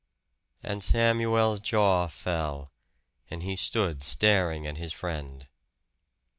And Samuel's jaw fell, and he stood staring at his friend.